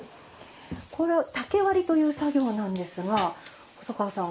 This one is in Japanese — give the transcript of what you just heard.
この竹割りという作業なんですが細川さん